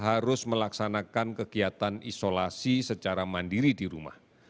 harus melaksanakan kegiatan isolasi secara mandiri di rumah